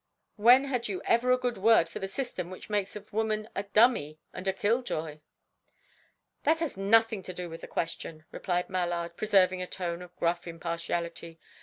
"When had you ever a good word for the system which makes of woman a dummy and a kill joy?" "That has nothing to do with the question," replied Mallard, preserving a tone of gruff impartiality.